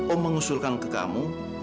om mengusulkan ke kamu